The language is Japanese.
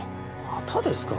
またですか。